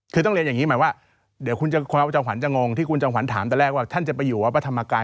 คือต้องเรียนอย่างนี้หมายว่าเดี๋ยวคุณจอมขวัญจะงงที่คุณจอมขวัญถามตอนแรกว่าท่านจะไปอยู่วัดพระธรรมกาย